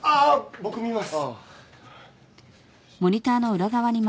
僕見ます。